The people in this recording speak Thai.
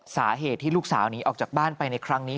สาเหตุที่ลูกสาวหนีออกจากบ้านไปในครั้งนี้